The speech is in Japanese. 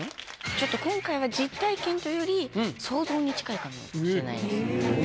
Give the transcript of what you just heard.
ちょっと今回は実体験というより想像に近いかもしれないです。